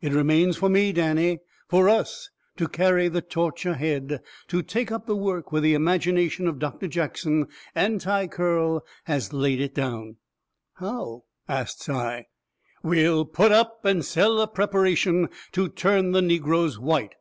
It remains for me, Danny for US to carry the torch ahead to take up the work where the imagination of Doctor Jackson Anti Curl has laid it down." "How?" asts I. "WE'LL PUT UP AND SELL A PREPARATION TO TURN THE NEGROES WHITE!"